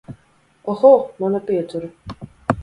Oho, mana pietura.